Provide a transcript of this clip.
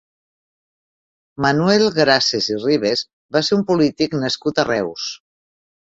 Manuel Grases i Ribes va ser un polític nascut a Reus.